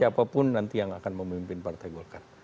siapapun nanti yang akan memimpin partai golkar